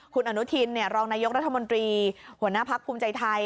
คุณอนุทินรองนายกรัฐมนตรีหัวหน้าพักภูมิใจไทย